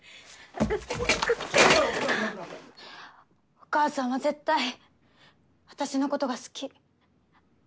お母さんは絶対私のことが好き。